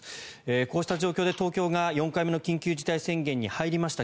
こうした状況で東京が４回目の緊急事態宣言に入りました。